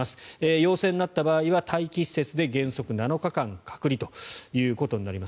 陽性になった場合は待機施設で原則７日間隔離ということになります。